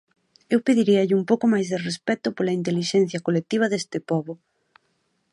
Eu pediríalle un pouco máis de respecto pola intelixencia colectiva deste pobo.